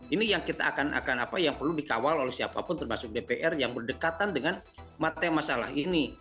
ini yang kita akan apa yang perlu dikawal oleh siapapun termasuk dpr yang berdekatan dengan materi masalah ini